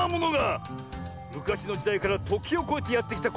むかしのじだいからときをこえてやってきたこれ。